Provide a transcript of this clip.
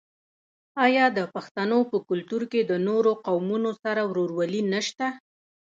آیا د پښتنو په کلتور کې د نورو قومونو سره ورورولي نشته؟